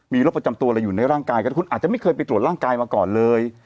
มีโรคประจำตัวอะไรอยู่ในร่างกายกันคุณอาจจะไม่เคยไปตรวจร่างกายมาก่อนเลย